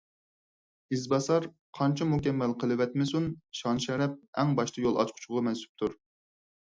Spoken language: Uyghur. ئىز باسار قانچە مۇكەممەل قىلىۋەتمىسۇن، شان - شەرەپ ئەڭ باشتا يول ئاچقۇچىغا مەنسۇپتۇر.